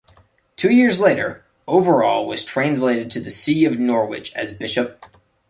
Two years later, Overall was translated to the See of Norwich as bishop.